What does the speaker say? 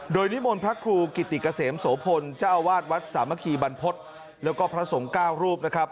โดยนิมนต์พระครูกิติเกษมโสพลเจ้าอาวาสวัดสามัคคีบรรพฤษแล้วก็พระสงฆ์๙รูปนะครับ